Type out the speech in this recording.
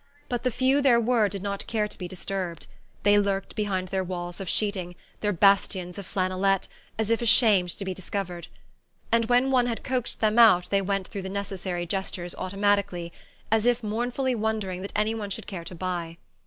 But the few there were did not care to be disturbed: they lurked behind their walls of sheeting, their bastions of flannelette, as if ashamed to be discovered. And when one had coaxed them out they went through the necessary gestures automatically, as if mournfully wondering that any one should care to buy.